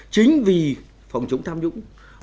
chính vì phòng chống tham dũng